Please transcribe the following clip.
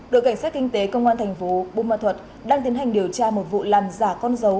đội cảnh sát kinh tế công an tp bung ma thuật đang tiến hành điều tra một vụ làm giả con dấu